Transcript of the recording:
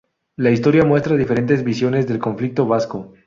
La historia muestra diferentes visiones del conflicto vasco.